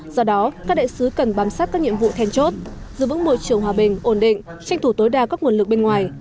do đó các đại sứ cần bám sát các nhiệm vụ then chốt giữ vững môi trường hòa bình ổn định tranh thủ tối đa các nguồn lực bên ngoài